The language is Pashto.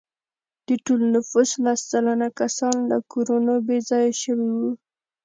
د ټول نفوس لس سلنه کسان له کورونو بې ځایه شوي وو.